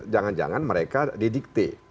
jangan jangan mereka didikte